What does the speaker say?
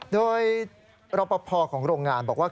โดยรับประพอของโรงงานบอกว่า